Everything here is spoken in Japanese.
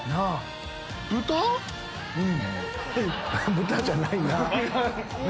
豚じゃないな。